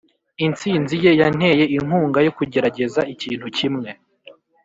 intsinzi ye yanteye inkunga yo kugerageza ikintu kimwe.